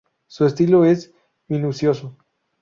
Su estilo es minucioso.